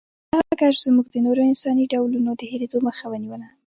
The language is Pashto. دغه کشف زموږ د نورو انساني ډولونو د هېرېدو مخه ونیوله.